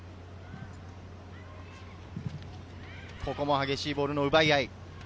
ここも激しいボールの奪い合い。